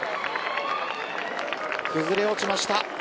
崩れ落ちました。